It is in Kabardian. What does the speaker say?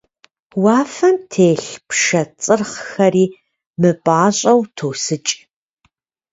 Уафэм телъ пшэ цӀырхъхэри мыпӀащӀэу тосыкӀ.